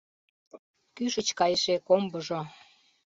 Кӱшыч кайыше комбыжо